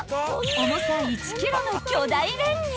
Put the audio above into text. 重さ１ｋｇの巨大練乳］